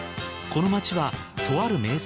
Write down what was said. この街はとある名作